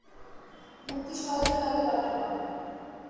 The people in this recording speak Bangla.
ভক্তি সহজ হলে অত দরকার করে না।